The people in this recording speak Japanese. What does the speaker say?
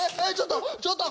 ちょっと！